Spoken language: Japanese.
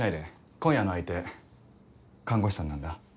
今夜の相手看護師さんなんだ。